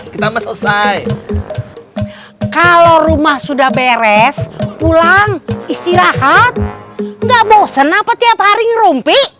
kita selesai kalau rumah sudah beres pulang istirahat enggak bosen apa tiap hari rumpi